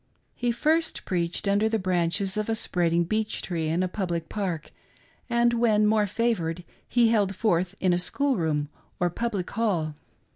He first preached under the branches of a spread ing beech tree in a public park, and when more favored he held forth in a school room or public hall.